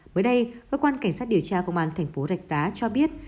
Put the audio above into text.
mới đây hội quan cảnh sát điều tra phòng an thành phố rạch giá cho biết